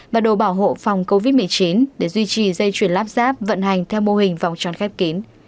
và đồ bảo hộ phòng covid một mươi chín để duy trì dây chuyển lắp ráp vận hành theo mô hình vòng tròn khép kín